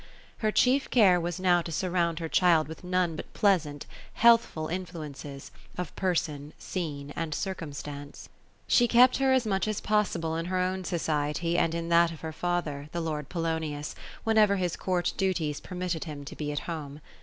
Her chief care was now to surround her child with none but pleasantj healthful influences, of person, scene, and circumstance. She kept her 226 OPHELIA ; as much as possible in her own society, and in that of her father, — the , lord PoloniuB, — whenever his court duties permitted him to be at home.